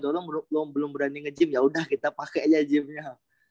kalo lu belum berani nge gym ya udah kita pake aja gymnya